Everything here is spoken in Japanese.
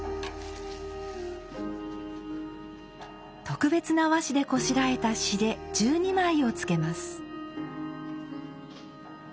特別な和紙でこしらえた紙垂１２枚をつけます。